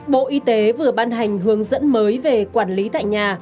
bộ y tế vừa ban hành hướng dẫn mới về quản lý tại nhà